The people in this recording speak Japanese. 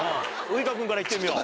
ウイカ君から行ってみよう。